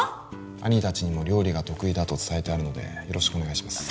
兄達にも料理が得意だと伝えてあるのでよろしくお願いします